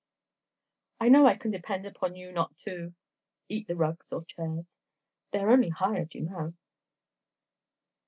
"I know I can depend upon you not to—eat the rugs or chairs. They are only hired, you know."